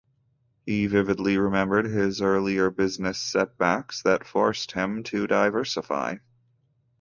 He vividly remembered his earlier business setbacks that forced him to diversify.